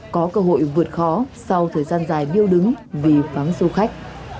có cơ hội vượt khó sau thời gian dài biêu đứng vì phán du khách